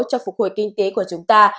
cho phục hồi kinh tế của chúng ta